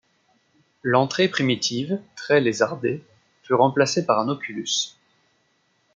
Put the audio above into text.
L'entrée primitive, très lézardée, fut remplacée par un oculus.